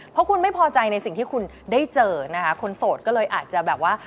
เพราะคุณไม่พอใจในสิ่งที่คุณได้เจอนะคะคนโสดก็เลยอาจจะแบบว่า